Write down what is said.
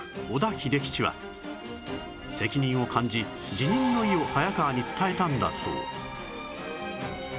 小田秀吉は責任を感じ辞任の意を早川に伝えたんだそう